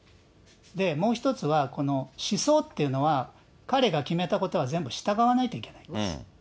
もう１つは、思想っていうのは、彼が決めたことは、全部従わないといけないんです。